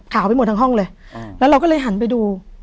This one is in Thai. เอาไปหมดทั้งห้องเลยแล้วเราก็เลยหันไปดู